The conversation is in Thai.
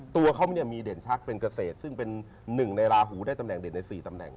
ตัวเขาเนี่ยมีเด่นชักเป็นเกษตรซึ่งเป็นหนึ่งในราหูได้ตำแหเด่นใน๔ตำแหน่ง